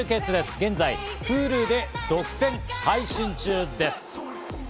現在Ｈｕｌｕで独占配信中です。